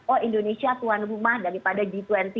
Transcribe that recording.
oh indonesia tuan rumah daripada g dua puluh